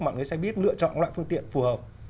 mọi người sẽ biết lựa chọn loại phương tiện phù hợp